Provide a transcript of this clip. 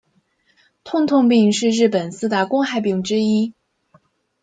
痛痛病是日本四大公害病之一。